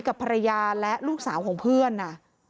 กับภรรยาและลูกสาวของเพื่อน